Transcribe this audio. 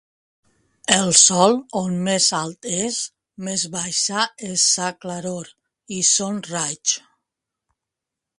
El sol, on més alt és, més baixa és sa claror i son raig.